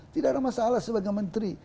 tidak ada masalah sebagai menteri